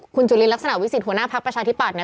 คุณจุลินลักษณะวิสิทธิหัวหน้าพักประชาธิปัตยเนี่ย